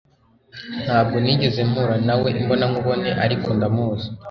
Ntabwo nigeze mpura nawe imbonankubone ariko ndamuzi